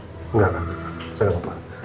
enggak enggak enggak